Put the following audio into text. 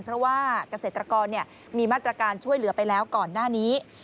เพราะว่าเกษตรกรมีมาตรการช่วยเหลือไปแล้วก่อนหน้านี้